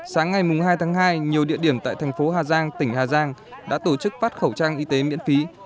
sáng ngày hai tháng hai nhiều địa điểm tại tp hcm tỉnh hà giang đã tổ chức phát khẩu trang y tế miễn phí